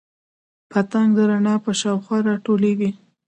پتنګ د رڼا په شاوخوا راټولیږي